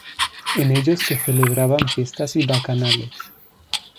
En ellos se celebraban fiestas y bacanales.